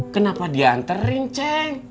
kenapa dianterin ceng